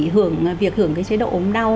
hưởng việc hưởng cái chế độ ốm đau